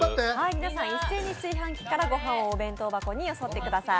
皆さん一斉に炊飯器からごはんをお弁当箱によそってください。